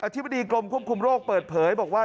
ธิบดีกรมควบคุมโรคเปิดเผยบอกว่า